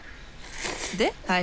ではい。